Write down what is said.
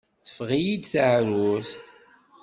Teffeɣ-iyi-d teεrurt.